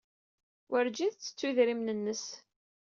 Werǧin tettettu idrimen-nnes.